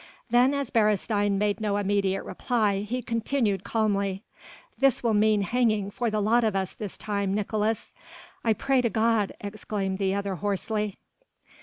Then as Beresteyn made no immediate reply, he continued calmly: "This will mean hanging for the lot of us this time, Nicolaes!" "I pray to God ..." exclaimed the other hoarsely.